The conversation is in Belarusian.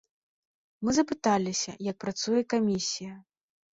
Мы запыталіся, як працуе камісія.